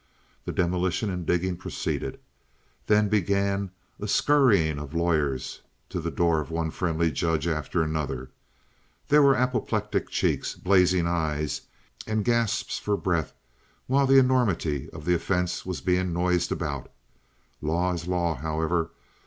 The demolition and digging proceeded. Then began a scurrying of lawyers to the door of one friendly judge after another. There were apoplectic cheeks, blazing eyes, and gasps for breath while the enormity of the offense was being noised abroad. Law is law, however.